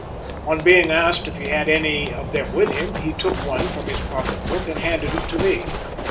On being asked if he had any of them with him, he took one from his pocket book and handed it to me.